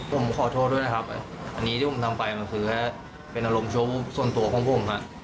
ผมขอโทษด้วยนะครับอันนี้ที่ผมทำไปมันคือเป็นอารมณ์ชัวส่วนตัวของผม